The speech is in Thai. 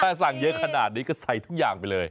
ถ้าสั่งเยอะขนาดนี้ก็ใส่ทุกอย่างไปเลย